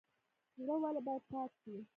زړه ولې باید پاک وي؟